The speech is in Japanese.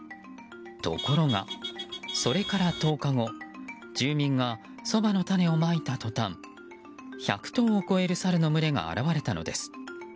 ところが、それから１０日後住民がソバの種をまいた途端１００頭を超えるサルの群れが現れたのです。